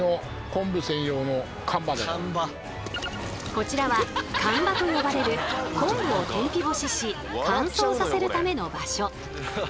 こちらは「干場」と呼ばれる昆布を天日干しし乾燥させるための場所。